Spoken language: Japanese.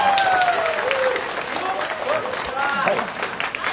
はい。